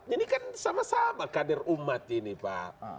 ini kan sama sama kader umat ini pak